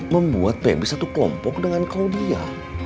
membuat febri satu kelompok dengan claudia